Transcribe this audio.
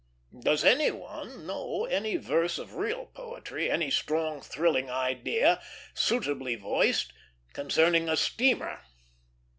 Does any one know any verse of real poetry, any strong, thrilling idea, suitably voiced, concerning a steamer?